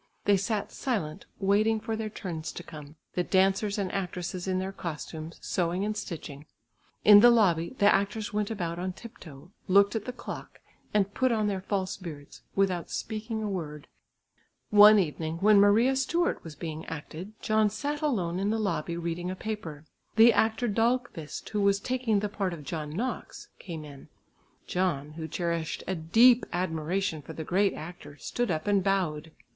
They sat silent waiting for their turns to come; the dancers and actresses in their costumes, sewing and stitching. In the lobby the actors went about on tip toe, looked at the clock and put on their false beards, without speaking a word. One evening, when Maria Stuart was being acted, John sat alone in the lobby reading a paper. The actor Dahlqvist, who was taking the part of John Knox, came in. John, who cherished a deep admiration for the great actor, stood up and bowed.